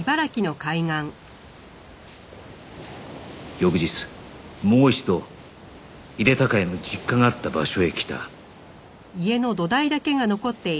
翌日もう一度井手孝也の実家があった場所へ来た